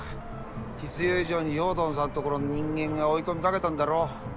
必要以上に豹堂さんところの人間が追い込みかけたんだろ。